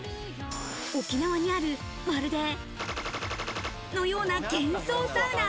沖縄にある、まるでのような幻想サウナ。